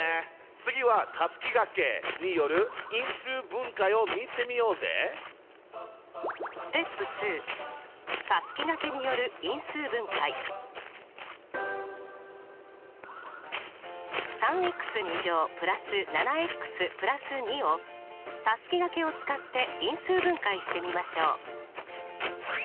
次はたすきがけによる因数分解を見てみようぜ。をたすきがけを使って因数分解してみましょう。